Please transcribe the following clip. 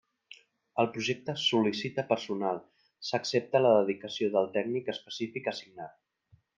El projecte sol·licita personal, s'accepta la dedicació del tècnic específic assignat.